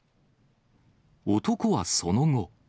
男はその後。